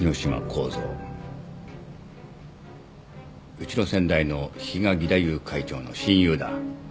うちの先代の比嘉義太夫会長の親友だ